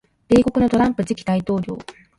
米国のトランプ次期大統領